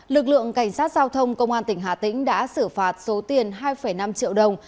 lực lượng cảnh sát giao thông công an tỉnh hà tĩnh đã xử phạt số tiền hai năm triệu đồng